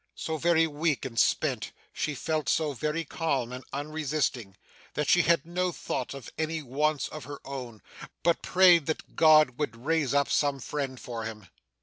So very weak and spent, she felt, so very calm and unresisting, that she had no thought of any wants of her own, but prayed that God would raise up some friend for him.